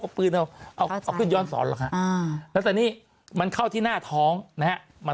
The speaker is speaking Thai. กับปืนเอาขึ้นย้อนสอนแล้วตอนนี้มันเข้าที่หน้าท้องนะมา